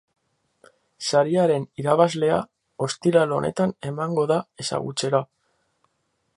Sariaren irabazlea ostiral honetan emango da ezagutzera.